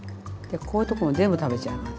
こういうとこも全部食べちゃうの。